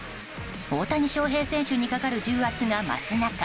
大谷翔平選手にかかる重圧が増す中